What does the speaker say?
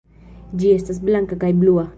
Ĝi estas blanka kaj blua.